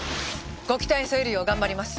ご期待に沿えるよう頑張ります。